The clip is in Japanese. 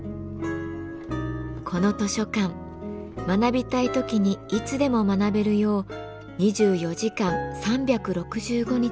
この図書館学びたい時にいつでも学べるよう２４時間３６５日